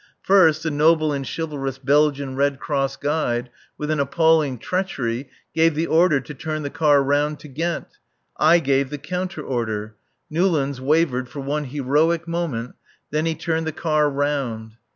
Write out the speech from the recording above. First, the noble and chivalrous Belgian Red Cross guide, with an appalling treachery, gave the order to turn the car round to Ghent. I gave the counter order. Newlands wavered for one heroic moment; then he turned the car round.